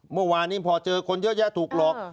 เมื่อวานนี้พอเจอคนเยอะแยะถูกหลอก